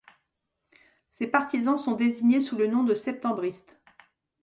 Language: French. Ses partisans sont désignés sous le nom de septembristes.